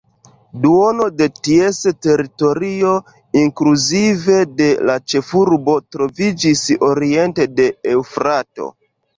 Duono de ties teritorio, inkluzive de la ĉefurbo, troviĝis oriente de Eŭfrato.